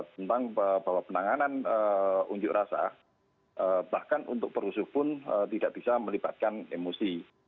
tentang bahwa penanganan unjuk rasa bahkan untuk perusuh pun tidak bisa melibatkan emosi